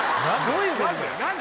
どういうことだよ